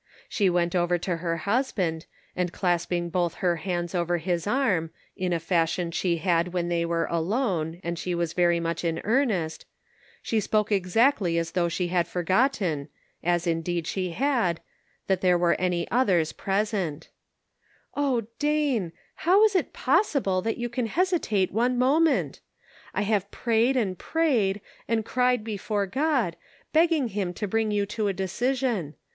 She went over to her husband, and clasping both her hands over his arm, in a fashion she had when they were alone, and she was very much in earnest, she spoke exactly as though she had forgotten — as indeed she had — that there were any others present. Measuring Responsibility. 405 "Oh, Dane, how is it possible that you can hesitate one moment ! I have prayed and prayed, and cried before God, begging him to bring you to a decision.